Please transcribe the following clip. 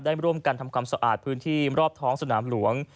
ร่วมกันทำความสะอาดพื้นที่รอบท้องสนามหลวง